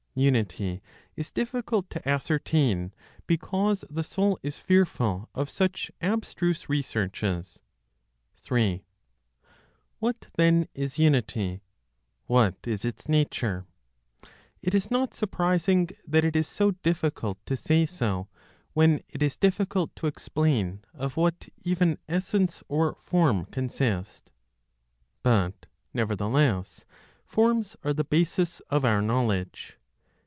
UNITY IS DIFFICULT TO ASCERTAIN BECAUSE THE SOUL IS FEARFUL OF SUCH ABSTRUSE RESEARCHES. 3. What then is unity? What is its nature? It is not surprising that it is so difficult to say so, when it is difficult to explain of what even essence or form consist. But, nevertheless, forms are the basis of our knowledge.